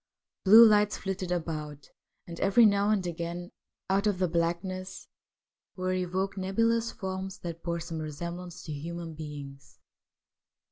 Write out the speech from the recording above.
Blue lights flitted about, and every now and again, out of the blackness, were evoked nebulous forms that bore some resemblance to human beings.